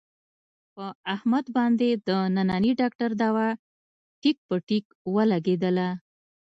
په احمد باندې د ننني ډاکټر دوا ټیک په ټیک ولږېدله.